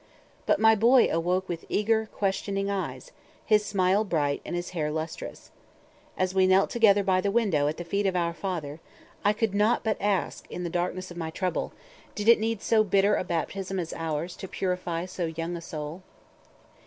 But my boy awoke with eager, questioning eyes, his smile bright and his hair lustrous. As we knelt together by the window at the feet of "Our Father," I could not but ask in the darkness of my trouble, did it need so bitter a baptism as ours to purify so young a soul?